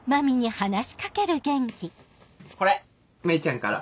これ芽衣ちゃんから。